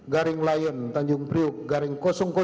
garing layan tanjung priuk garing lima puluh lima